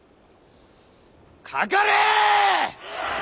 かかれ！